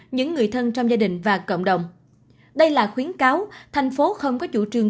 những người thân trong gia đình và cộng đồng đây là khuyến cáo thành phố không có chủ trương